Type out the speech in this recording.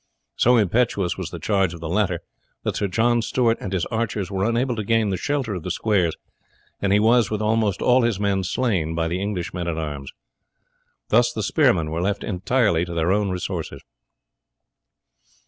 So impetuous was the charge of the latter that Sir John Stewart and his archers were unable to gain the shelter of the squares, and he was, with almost all his men, slain by the English men at arms. Thus the spearmen were left entirely to their own resources.